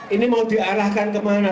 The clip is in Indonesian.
ini mau diarahkan kemana